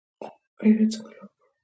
کیفیت څنګه لوړ کړو؟